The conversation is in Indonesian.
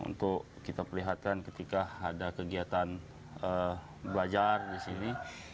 untuk kita perlihatkan ketika ada kegiatan belajar di sini